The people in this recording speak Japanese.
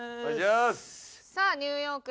さあニューヨークで。